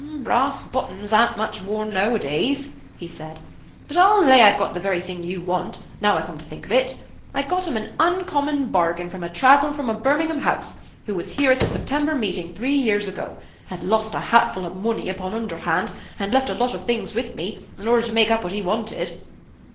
"Brass buttons a'n't much worn nowadays," he said; "but I'll lay I've got the very thing you want, now I come to think of it. I got 'em an uncommon bargain from a traveller for a Birmingham house, who was here at the September meeting three years ago, and lost a hatful of money upon Underhand, and left a lot of things with me, in order to make up what he wanted."